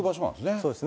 そうですね。